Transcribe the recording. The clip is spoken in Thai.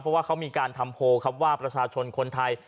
เพราะว่าเขามีการทำโพลครับว่าประชาชนคนไทย